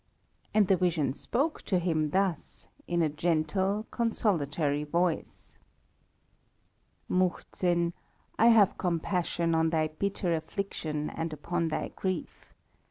And the vision spoke to him thus, in a gentle, consolatory voice "Muhzin, I have compassion on thy bitter affliction and upon thy grief.